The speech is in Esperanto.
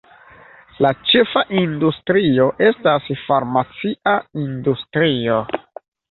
La ĉefa industrio estas farmacia industrio.